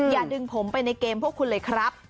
อย่าดึงผมไปในเกมพวกคุณเลยครับ